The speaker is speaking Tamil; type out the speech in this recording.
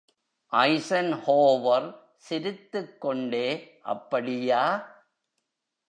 ஐஸன்ஹோவர் சிரித்துக் கொண்டே, அப்படியா!